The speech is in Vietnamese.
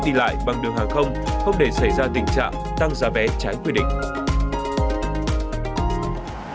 hành khách đi lại bằng đường hàng không không để xảy ra tình trạng tăng giá vẽ trái quy định